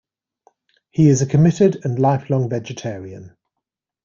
He is a committed and lifelong vegetarian.